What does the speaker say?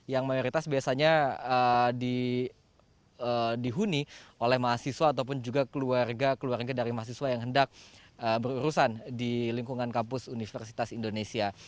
yang mayoritas biasanya dihuni oleh mahasiswa ataupun juga keluarga keluarga dari mahasiswa yang hendak berurusan di lingkungan kampus universitas indonesia